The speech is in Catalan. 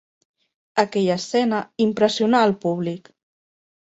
Aquella escena impressionà el públic.